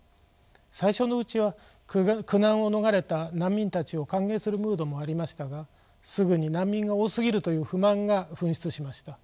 最初のうちは苦難を逃れた難民たちを歓迎するムードもありましたがすぐに難民が多すぎるという不満が噴出しました。